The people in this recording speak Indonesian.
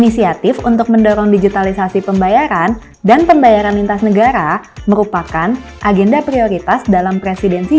inisiatif untuk mendorong digitalisasi pembayaran dan pembayaran lintas negara merupakan agenda prioritas dalam presidensi